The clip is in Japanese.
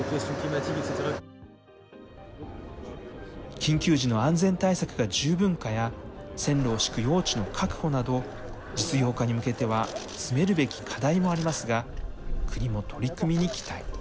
緊急時の安全対策が十分かや、線路を敷く用地の確保など、実用化に向けては詰めるべき課題もありますが、国も取り組みに期待。